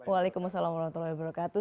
waalaikumsalam warahmatullah wabarakatuh